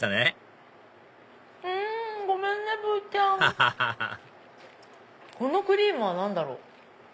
ハハハハこのクリームは何だろう？